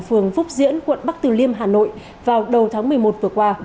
phường phúc diễn quận bắc từ liêm hà nội vào đầu tháng một mươi một vừa qua